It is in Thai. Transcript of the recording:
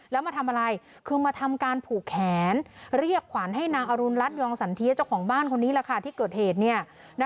แล้วมาทำอะไรคือมาทำการผูกแขนเรียกขวัญให้นางอรุณรัฐยองสันเทียเจ้าของบ้านคนนี้แหละค่ะที่เกิดเหตุ